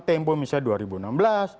tempo misalnya dua ribu enam belas